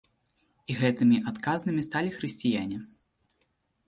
І гэтымі адказнымі сталі хрысціяне.